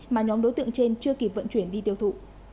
mà nhóm đối tượng trên chưa kịp vận chuyển đi tiêu thụ